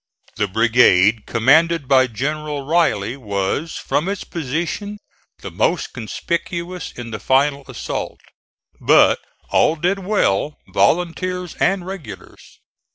The brigade commanded by General Riley was from its position the most conspicuous in the final assault, but all did well, volunteers and regulars.